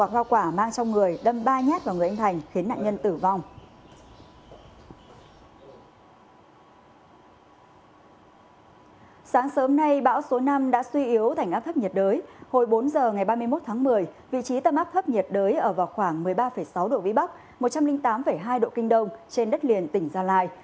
hồi bốn giờ ngày ba mươi một tháng một mươi vị trí tâm áp thấp nhiệt đới ở vào khoảng một mươi ba sáu độ vĩ bắc một trăm linh tám hai độ kinh đông trên đất liền tỉnh gia lai